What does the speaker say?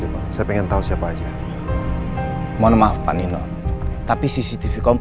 itu langkah yang paling penting